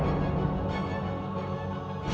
aku akan menang